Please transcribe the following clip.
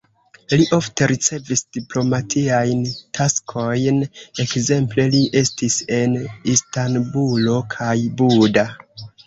Li ofte ricevis diplomatiajn taskojn, ekzemple li estis en Istanbulo kaj Buda.